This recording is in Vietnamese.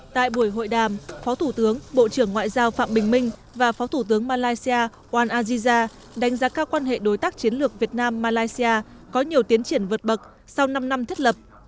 tại buổi hội đàm phó thủ tướng bộ trưởng ngoại giao phạm bình minh và phó thủ tướng malaysia wan aziza đánh giá cao quan hệ đối tác chiến lược việt nam malaysia có nhiều tiến triển vượt bậc sau năm năm thiết lập